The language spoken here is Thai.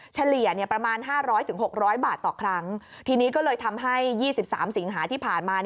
เฉลี่ยประมาณ๕๐๐๖๐๐บาทต่อครั้งทีนี้ก็เลยทำให้๒๓สิงหาที่ผ่านมา